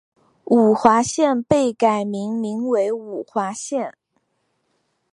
五华县被改名名为五华县。